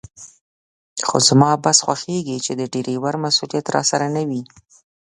خو زما بس خوښېږي چې د ډریور مسوولیت راسره نه وي.